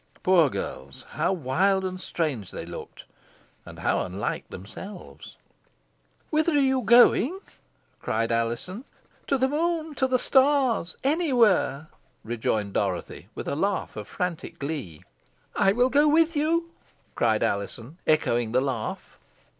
Poor girls! how wild and strange they looked and how unlike themselves! "Whither are you going?" cried Alizon. "To the moon! to the stars! any where!" rejoined Dorothy, with a laugh of frantic glee. "I will go with you," cried Alizon, echoing the laugh.